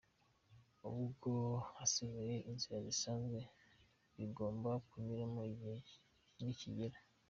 Ubwo hasigaye inzira zisanzwe bigomba kunyuramo igihe nikigera.